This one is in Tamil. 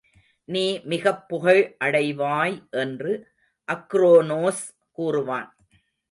நீ மிகப் புகழ் அடைவாய் என்று அக்ரோனோஸ் கூறுவான்.